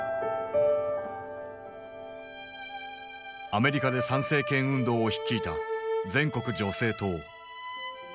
アメリカで参政権運動を率いた全国女性党。